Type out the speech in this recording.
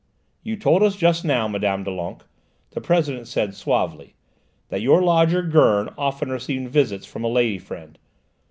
"You told us just now, Mme. Doulenques," the President said suavely, "that your lodger, Gurn, often received visits from a lady friend.